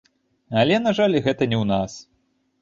Але, на жаль, гэта не ў нас.